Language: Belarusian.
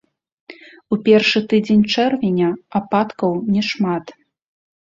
У першы тыдзень чэрвеня ападкаў не шмат.